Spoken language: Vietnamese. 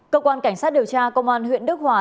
cơ quan cảnh sát điều tra công an huyện đức hòa